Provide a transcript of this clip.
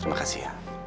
terima kasih ya